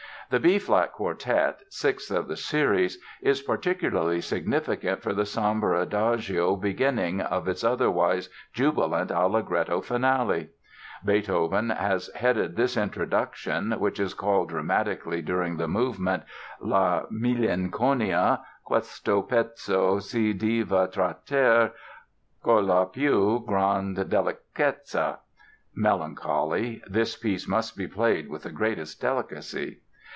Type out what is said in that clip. The B flat Quartet, sixth of the series, is particularly significant for the sombre adagio beginning of its otherwise jubilant allegretto Finale. Beethoven has headed this introduction (which is recalled dramatically during the movement) "La Malinconia: Questo pezzo si deve trattare colla più gran delicatezza" ("Melancholy: this piece must be played with the greatest delicacy").